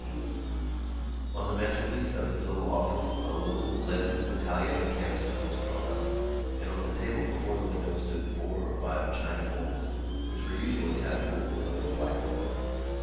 C. On the mantelpiece of this little office a little leaden battalion of canisters was drawn up and on the table before the window stood four or five china bowls which were usually half full of a black liquid.